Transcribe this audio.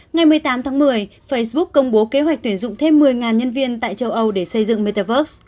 ngày một mươi tám tháng một mươi facebook công bố kế hoạch tuyển dụng thêm một mươi nhân viên tại châu âu để xây dựng metaverse